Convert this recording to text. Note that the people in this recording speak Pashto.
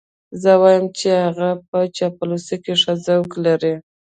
زه وایم چې هغه په چپس کې ښه ذوق لري